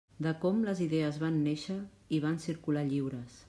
De com les idees van néixer i van circular lliures.